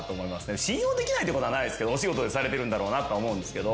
信用できないってことはないですけどお仕事されてるんだろうなとは思うんですけど。